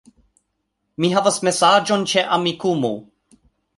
Mi havas mesaĝon ĉe Amikumu